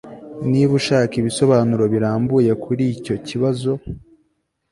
niba ushaka ibisobanuro birambuye kuri icyo kibazo